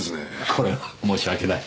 これは申し訳ない。